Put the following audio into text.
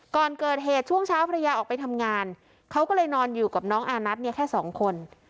ก่อนเกิดเหตุช่วงเช้าภรรยาออกไปทำงานเขาก็เลยนอนอยู่กับน้องอานัทเนี่ยแค่สองคน